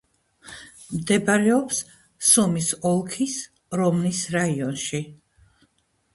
მდებარეობს სუმის ოლქის რომნის რაიონში.